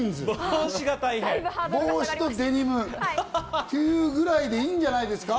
帽子とジーンズというぐらいでいいんじゃないんですか？